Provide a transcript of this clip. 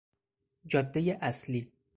جادهی اصلی